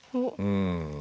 うん。